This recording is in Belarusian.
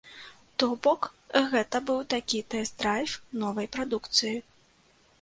То бок гэта быў такі тэст-драйв новай прадукцыі.